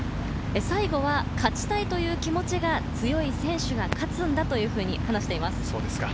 最後は勝ちたいという気持ちが強い選手が勝つんだと話しています。